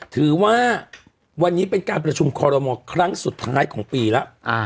ถือว่าวันนี้เป็นการประชุมคอรมอลครั้งสุดท้ายของปีแล้ว